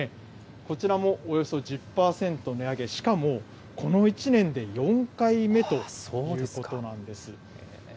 こちらもおよそ１０％値上げ、しかもこの１年で４回目ということなんです。